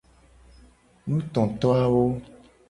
Nutotowawo.